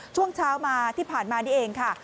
ช่วงเช้ามาที่ผ่านมานี่เองค่ะ